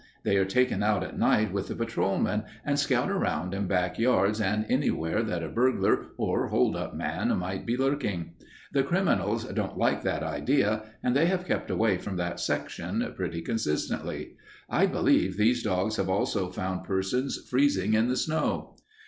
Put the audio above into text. They are taken out at night with the patrolmen and scout around in back yards and anywhere that a burglar or hold up man might be lurking. The criminals don't like that idea, and they have kept away from that section pretty consistently. I believe these dogs have also found persons freezing in the snow.